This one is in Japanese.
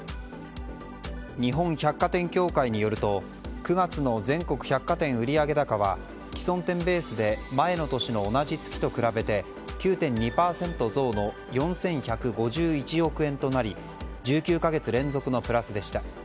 日本百貨店協会によると９月の全国百貨店売上高は既存店ベースで前の年の同じ月と比べて９．２％増の４１５１億円となり１９か月連続のプラスでした。